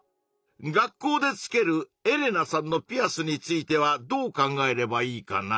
学校でつけるエレナさんのピアスについてはどう考えればいいかな？